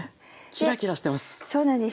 キラキラしてます！